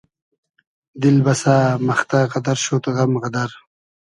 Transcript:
دیل بئسۂ مئختۂ غئدئر شود غئم غئدئر